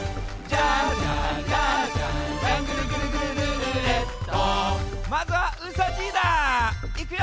「ジャンジャンジャンジャンジャングルグルグルるーれっと」